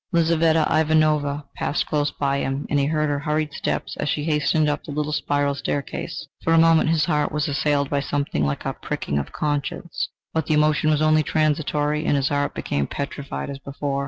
Lizaveta Ivanovna passed close by him, and he heard her hurried steps as she hastened up the little spiral staircase. For a moment his heart was assailed by something like a pricking of conscience, but the emotion was only transitory, and his heart became petrified as before.